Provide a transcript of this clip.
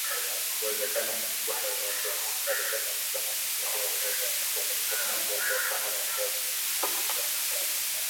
Uwezekano mkubwa Haines alisema ni kwamba, mzozo huo ambao sasa uko katika mwezi wake wa tano unaendelea kwa mapambano makali.